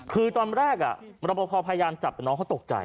คือตอนแรกรับประพอพยายามจับแต่น้องเขาตกใจ